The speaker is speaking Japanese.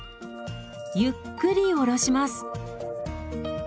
ゆっくり下ろします。